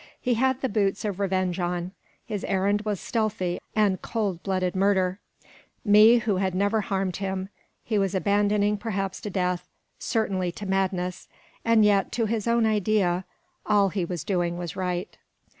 He had the boots of vengeance on; his errand was stealthy and cold blooded murder; me, who had never harmed him, he was abandoning perhaps to death, certainly to madness and yet to his own ideas, all he was doing was right.